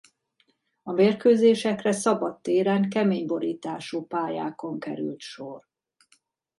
A mérkőzésekre szabad téren kemény borítású pályákon kerül sor.